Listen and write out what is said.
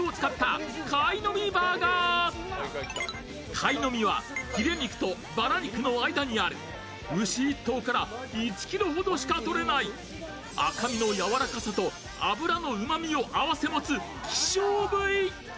カイノミはフィレ肉とバラ肉の間にある牛１頭から１ｋｇしかとれない赤身のやわらかさと脂のうまみを併せ持つ希少部位。